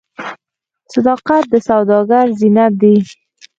صداقت د سوداګر زینت دی.